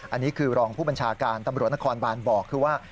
อันนี้คือรองผู้บัญชาการตำรวจนครบานบอกคือว่า